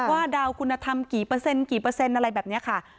ว่าดาวคุณธรรมกี่เปอร์เซ็นต์อะไรแบบนี้ค่ะ